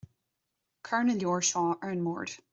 Cuir na leabhair seo ar an mbord